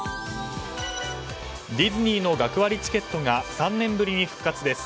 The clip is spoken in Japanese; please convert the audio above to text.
ディズニーの学割チケットが３年ぶりに復活です。